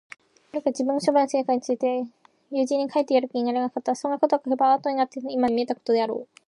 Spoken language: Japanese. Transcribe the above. ゲオルクは、自分の商売の成果について友人に書いてやる気にはなれなかった。そんなことを書けば、あとになった今では、ほんとうに奇妙なふうに見えたことであろう。